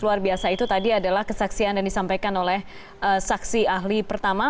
luar biasa itu tadi adalah kesaksian yang disampaikan oleh saksi ahli pertama